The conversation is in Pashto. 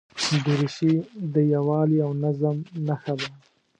دریشي د یووالي او نظم نښه ده.